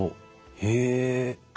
へえ。